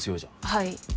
はい。